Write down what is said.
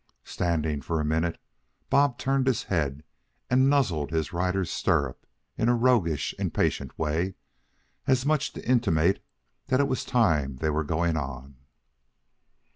Standing for a minute, Bob turned his head and nuzzled his rider's stirrup in a roguish, impatient way, as much as to intimate that it was time they were going on.